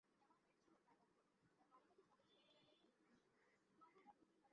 আপনারা কী অর্ডার করতে চান?